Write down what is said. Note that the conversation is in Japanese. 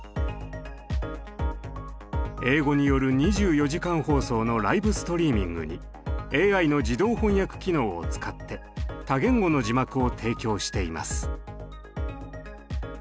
英語による２４時間放送のライブストリーミングにＡＩの自動翻訳機能を使って多言語の字幕を提供しています。